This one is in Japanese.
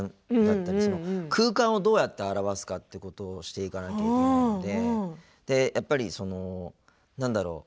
空間をどうやって表すかということをしていかなくちゃいけなくてやっぱり、なんだろう。